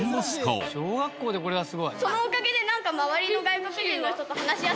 小学校でこれはすごい。